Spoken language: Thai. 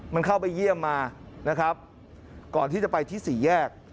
มันเข้าไปเยี่ยมมานะครับก่อนที่จะไปที่สี่แยก